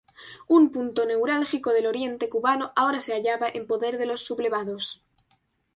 Un punto neurálgico del oriente cubano ahora se hallaba en poder de los sublevados.